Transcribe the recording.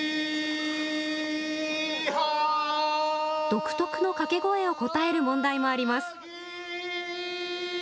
独特の掛け声を答える問題もあります。